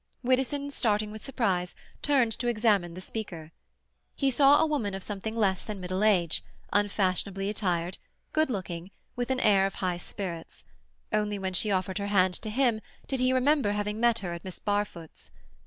Widdowson, starting with surprise, turned to examine the speaker. He saw a woman of something less than middle age, unfashionably attired, good looking, with an air of high spirits; only when she offered her hand to him did he remember having met her at Miss Barfoot's.